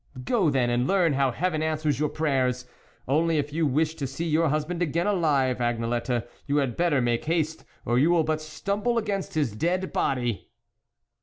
" Go then, and learn how heaven answers your prayers. Only, if you wish to see your husband again alive, Agnelette, you had better make haste, or you will but stumble against his dead body."